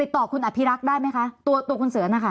ต่อคุณอภิรักษ์ได้ไหมคะตัวคุณเสือนะคะ